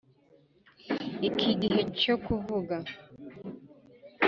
iki gihe cyo kuvuga